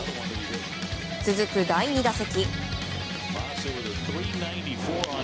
続く第２打席。